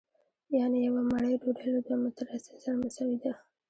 یانې یوه مړۍ ډوډۍ له دوه متره رسۍ سره مساوي ده